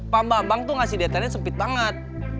pak mbak bang tuh ngasih detailnya sempit banget